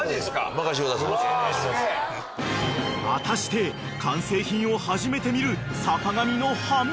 ［果たして完成品を初めて見る坂上の反応は？］